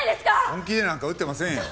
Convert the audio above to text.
本気でなんか打ってませんよ。